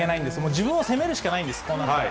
自分を責めるしかないんです、こうなったら。